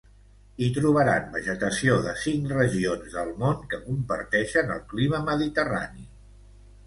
Hi trobaran vegetació de cinc regions del món que comparteixen el clima mediterrani.